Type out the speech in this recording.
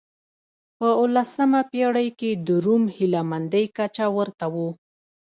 په اولسمه پېړۍ کې د روم هیله مندۍ کچه ورته و.